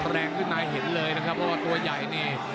แรงขึ้นมาเห็นเลยนะครับเพราะว่าตัวใหญ่นี่